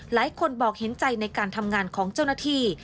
หลายคนบอกเห็นใจในการทำงานของเจ้าหน้าที่